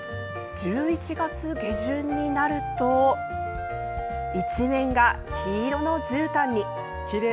１１月下旬になると一面が黄色のじゅうたんに。